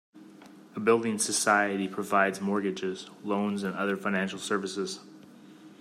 A building society provides mortgages, loans and other financial services